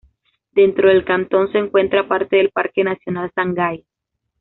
Dentro del cantón se encuentra parte del Parque nacional Sangay.